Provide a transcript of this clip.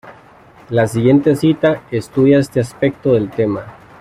La siguiente cita estudia este aspecto del tema.